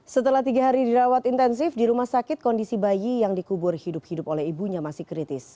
setelah tiga hari dirawat intensif di rumah sakit kondisi bayi yang dikubur hidup hidup oleh ibunya masih kritis